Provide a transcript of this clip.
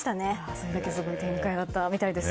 それだけすごい展開だったみたいです。